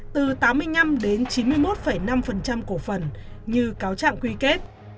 từ tám mươi năm đến chín mươi một năm cổ phần như cáo trạng quy kết